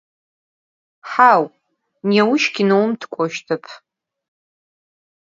Hau, nêuş kineum tık'oştep.